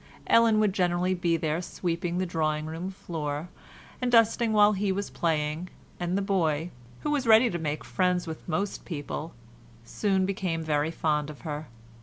Ellen would generally be there sweeping the drawing room floor and dusting while he was playing, and the boy, who was ready to make friends with most people, soon became very fond of her.